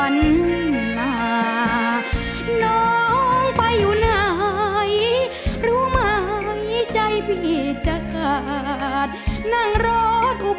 รุ่นดนตร์บุรีนามีดังใบปุ่ม